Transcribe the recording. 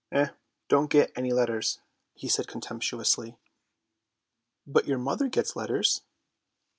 "Don't get any letters," he said contemptuously. "But your mother gets letters?"